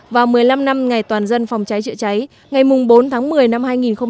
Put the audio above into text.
và một mươi năm năm ngày toàn dân phòng cháy chữa cháy ngày bốn tháng một mươi năm hai nghìn một mươi chín